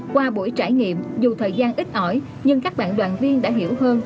qua buổi trải nghiệm dù thời gian ít ỏi nhưng các bạn đoàn viên đã hiểu hơn